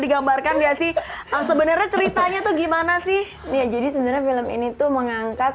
digambarkan nggak sih sebenarnya ceritanya tuh gimana sih ya jadi sebenarnya film ini tuh mengangkat